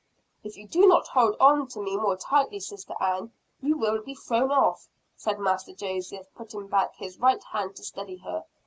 "If you do not hold on to me more tightly, Sister Ann, you will be thrown off," said Master Joseph, putting back his right hand to steady her.